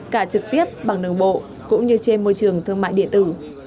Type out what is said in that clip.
cả trực tiếp bằng đường bộ cũng như trên môi trường thương mại điện tử